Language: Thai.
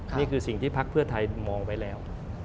นี่คือสิ่งที่พพไทยมองไปแล้ว